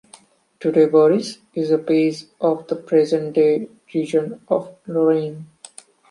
Today "Barrois" is a "pays" of the present-day region of Lorraine.